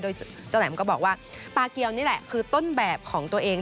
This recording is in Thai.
โดยเจ้าแหลมก็บอกว่าปลาเกียวนี่แหละคือต้นแบบของตัวเอง